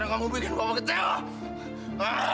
kamu mesti bantuin papa